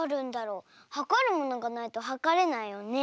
はかるものがないとはかれないよね。